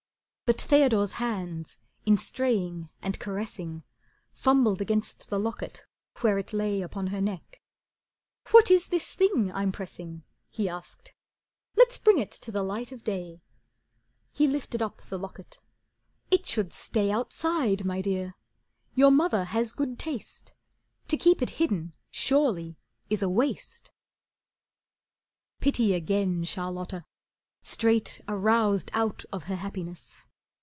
But Theodore's hands in straying and caressing Fumbled against the locket where it lay Upon her neck. "What is this thing I'm pressing?" He asked. "Let's bring it to the light of day." He lifted up the locket. "It should stay Outside, my Dear. Your mother has good taste. To keep it hidden surely is a waste." Pity again Charlotta, straight aroused Out of her happiness.